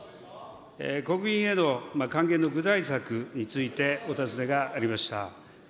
国民への還元の具体策についてお尋ねがありました。